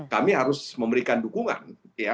kami harus memberikan dukungan